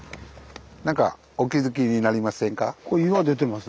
何かお気付きになりませんか？